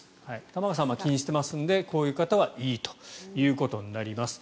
玉川さんは気にしてますのでこういう方はいいということになります。